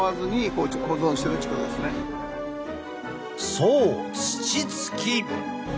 そう土つき。